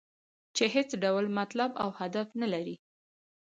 چې هېڅ ډول مطلب او هدف نه لري.